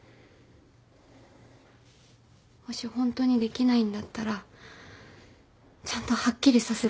もしホントにできないんだったらちゃんとはっきりさせた。